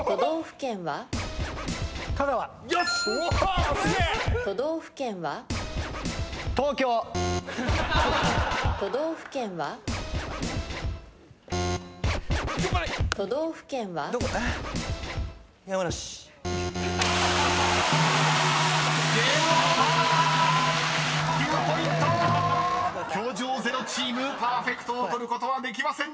［教場０チームパーフェクトを取ることはできませんでした］